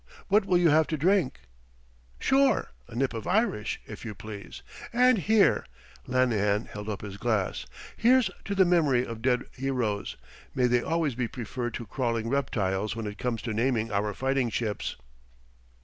What will you have to drink?" "Sure. A nip of Irish, if you please. And here" Lanahan held up his glass "here's to the memory of dead heroes may they always be preferred to crawling reptiles when it comes to naming our fighting ships!"